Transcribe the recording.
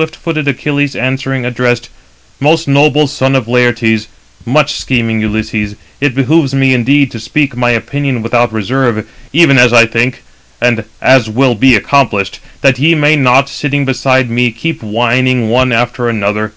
But him swift footed Achilles answering, addressed: "Most noble son of Laertes, much scheming Ulysses, it behoves me indeed to speak my opinion without reserve, even as I think, and as will be accomplished, that ye may not, sitting beside me, keep whining 303 one after another.